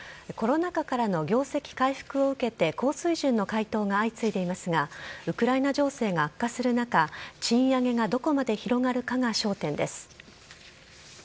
コロナ禍からの業績回復を受けて、高水準の回答が相次いでいますが、ウクライナ情勢が悪化する中、賃上げがどこまで広がるかが焦点です。